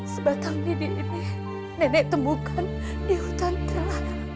sebatang lidi ini nenek temukan di hutan terang